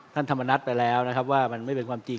ธรรมนัฐไปแล้วนะครับว่ามันไม่เป็นความจริง